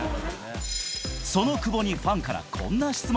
その久保にファンからこんな質問。